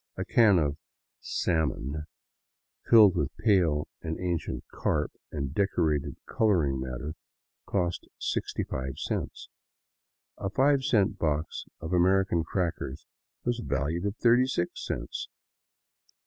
A can of '' salmon,'* filled with pale and ancient carp and deteriorated coloring matter, cost 65 cents ; a five cent box of Ameri can crackers was valued at 36 cents